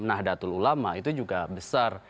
nah datul ulama itu juga besar